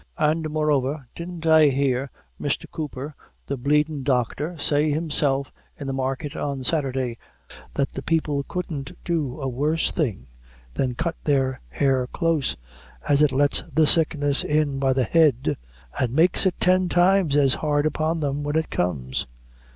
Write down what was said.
And, moreover, didn't I hear Misther Cooper, the bleedin' doctor, say, myself, in the market, on Sathurday, that the people couldn't do a worse thing than cut their hair close, as it lets the sickness in by the head, and makes it tin times as hard upon them, when it comes."